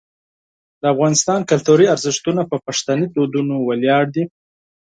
د افغانستان کلتوري ارزښتونه په پښتني دودونو ولاړ دي.